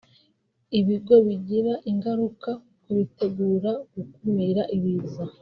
Ibi ngo bigira ingaruka ku bitegura gukumira ibiza